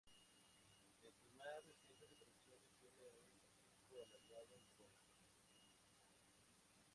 En sus más recientes apariciones, tiene un hocico alargado y cola.